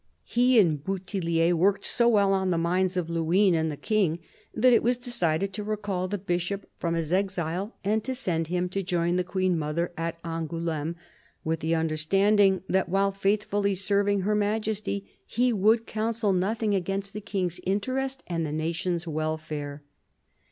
He and Bouthillier worked so 8 114 CARDINAL DE RICHELIEU well on the minds of Luynes and of the King that it was decided to recall the Bishop from his exile and to send him to join the Queen mother at Angoul^me, with the understanding that while faithfully serving Her Majesty he would counsel nothing against the King's interest and the nation's welfare.